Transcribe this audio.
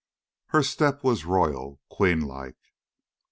Her step was royal queen like.